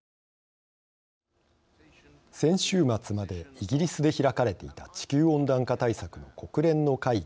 先週末までイギリスで開かれていた地球温暖化対策の国連の会議